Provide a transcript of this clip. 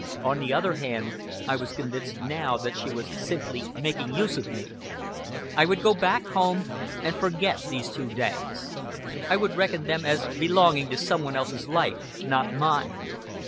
On the other hand, I was convinced now that she was simply making use of me. I would go back home and forget these two days. I would reckon them as belonging to some one else's life, not mine.